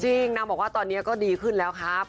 จริงว๊าวตอนนี้ก็ดีขึ้นแล้วครับ